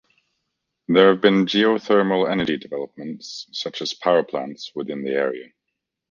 There have been geothermal energy developments such as power plants within the area.